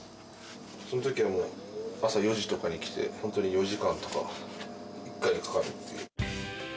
そのときはもう、朝４時とかに来て、本当に４時間とか一回でかかるという。